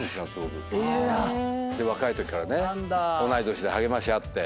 若いときからね同い年で励まし合って。